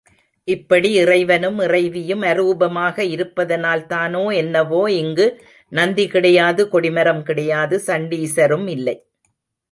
இப்படி இறைவனும் இறைவியும் அரூபமாக இருப்பதனால்தானோ என்னவோ இங்கு நந்தி கிடையாது, கொடிமரம் கிடையாது, சண்டீசரும் இல்லை.